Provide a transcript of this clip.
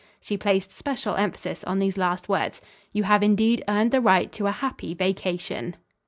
(She placed special emphasis on these last words.) "You have indeed earned the right to a happy vacation."